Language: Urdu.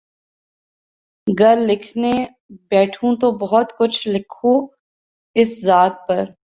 گر لکھنے بیٹھوں تو بہت کچھ لکھوں اس ذات پر